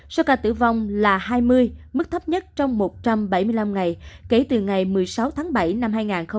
số ca tử vong là hai mươi mức thấp nhất trong một trăm bảy mươi năm ngày kể từ ngày một mươi sáu tháng bảy năm hai nghìn hai mươi ba